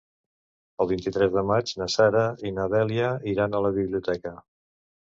El vint-i-tres de maig na Sara i na Dèlia iran a la biblioteca.